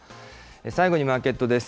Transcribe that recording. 最後にマーケットです。